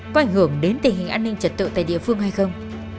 có ảnh hưởng đến tình hình an ninh trật tự tại địa phương hay không